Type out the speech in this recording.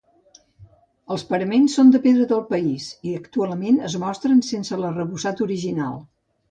Els paraments són de pedra del país i actualment es mostren sense l'arrebossat original.